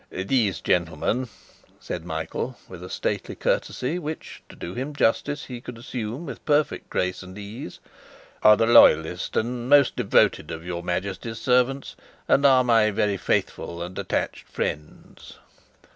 "These gentlemen," said Michael, with a stately courtesy which, to do him justice, he could assume with perfect grace and ease, "are the loyalest and most devoted of your Majesty's servants, and are my very faithful and attached friends."